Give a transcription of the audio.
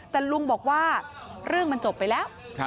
แต่ลุงบอกว่าเรื่องมันจบไปแล้ว